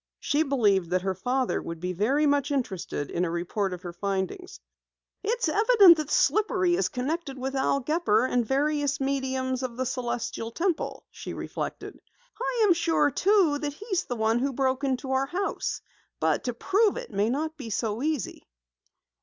She believed that her father would be very much interested in a report of her findings. "It's evident that Slippery is connected with Al Gepper and various mediums of the Celestial Temple," she reflected. "I am sure, too, that he's the one who broke into our house, but to prove it may not be so easy."